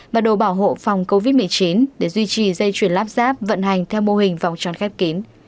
và đồ bảo hộ phòng covid một mươi chín để duy trì dây chuyển lắp ráp vận hành theo mô hình vòng tròn khép kín